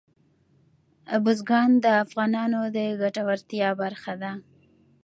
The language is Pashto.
بزګان د افغانانو د ګټورتیا برخه ده.